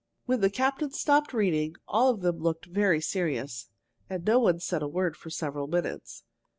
When the captain stopped reading, all of them looked very serious, and no one said a word for several minutes.